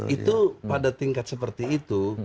itu pada tingkat seperti itu